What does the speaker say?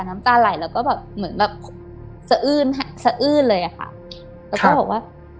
น้ำตาไหลแล้วก็แบบเหมือนแบบสะอื้นสะอื้นเลยอะค่ะแล้วก็บอกว่า